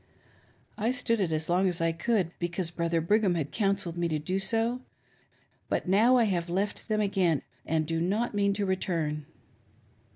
I stood it as long as I could, because Brother Brigham had counselled me to do so ; but now I have left them again and do not mean to return."